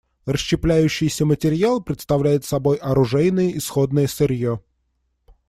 Расщепляющийся материал представляет собой оружейное исходное сырье.